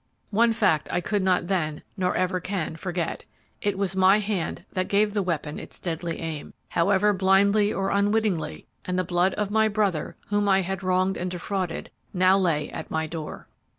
One fact I could not then, nor ever can, forget; it was my hand that gave the weapon its deadly aim, however blindly or unwittingly, and the blood of my brother whom I had wronged and defrauded now lay at my door.